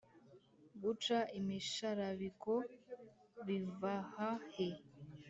-guca imisharabiko; bivaha he